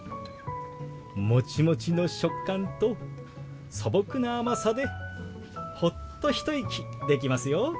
モチモチの食感と素朴な甘さでホッと一息できますよ。